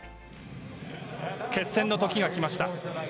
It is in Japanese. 決戦の時がきました。